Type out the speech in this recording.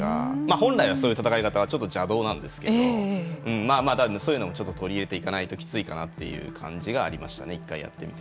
本来はそういう戦い方はちょっと邪道なんですけどそういうのもちょっと取り入れていかないときついかなっていう感じがありましたね、１回やってみて。